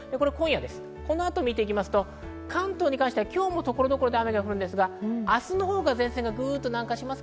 この後を見ていきますと関東に関しては今日も所々で雨ですが、明日の午後から前線が南下します。